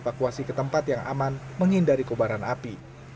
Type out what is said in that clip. produksi dievakuasi ke tempat yang aman menghindari kebaran api